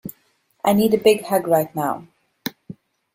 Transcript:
I need a big hug right now.